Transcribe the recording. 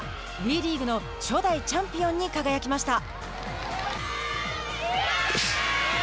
ＷＥリーグの初代チャンピオンに輝きました。